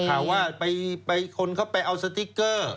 ข่าวว่าคนเขาไปเอาสติ๊กเกอร์